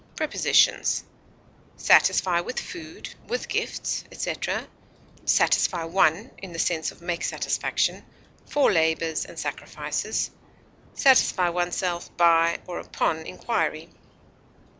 Prepositions: Satisfy with food, with gifts, etc.; satisfy one (in the sense of make satisfaction) for labors and sacrifices; satisfy oneself by or upon inquiry.